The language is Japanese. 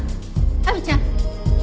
亜美ちゃん